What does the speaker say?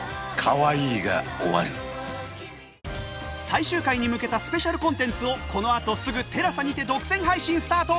最終回に向けたスペシャルコンテンツをこのあとすぐ ＴＥＬＡＳＡ にて独占配信スタート！